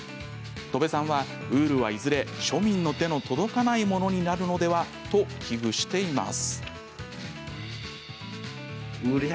戸部さんは、ウールはいずれ庶民の手の届かないものになるのではと危惧しています。